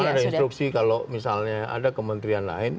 karena ada instruksi kalau misalnya ada kementerian lain